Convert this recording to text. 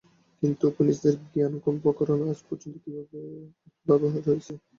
কিন্তু উপনিষদের জ্ঞানপ্রকরণ আজ পর্যন্ত একভাবে রয়েছে।